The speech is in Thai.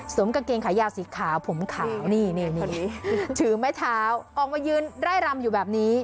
กางเกงขายาวสีขาวผมขาวนี่ถือไม้เท้าออกมายืนไร่รำอยู่แบบนี้